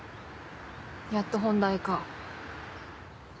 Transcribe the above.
やっと本題か。